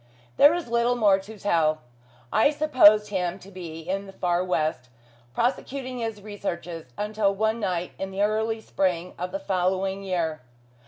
There is little more to tell. I supposed him to be in the far west, prosecuting his researches, until one night in the early spring of the following year.